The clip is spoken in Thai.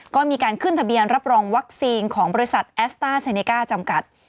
ก็มีการขึ้นทะเบียนรับรองวัคซีนของบริษัทแอสต้าเซเนก้าจำกัด